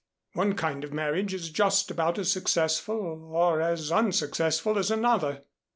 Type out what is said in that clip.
One kind of marriage is just about as successful or as unsuccessful as another.